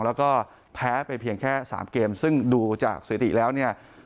แล้วก็แพ้ไปเพียงแค่สามเกมซึ่งดูจากสถิติแล้วเนี่ย